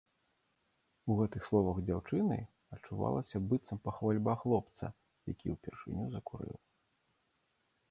У гэтых словах дзяўчыны адчувалася быццам пахвальба хлопца, які ўпершыню закурыў.